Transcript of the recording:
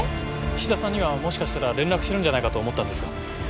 ⁉菱田さんにはもしかしたら連絡してるんじゃないかと思ったんですが。